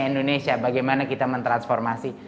indonesia bagaimana kita mentransformasi